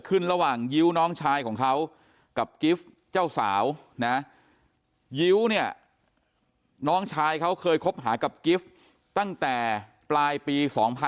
พี่ชายเขาเคยคบหากับกิฟต์ตั้งแต่ปลายปี๒๕๖๓